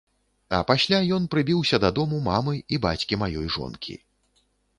А пасля ён прыбіўся да дому мамы і бацькі маёй жонкі.